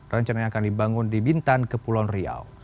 rencananya akan dibangun di bintan kepulauan riau